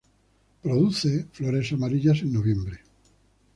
Produce flores amarillas en noviembre.